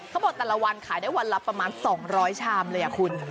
เค้าบอกว่าตลาดนัดนัดขายได้วันละประมาณ๒๐๐ชามเลยอะคุณ